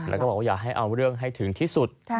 แล้วก็บอกว่าอยากให้เอาเรื่องให้ถึงที่สุด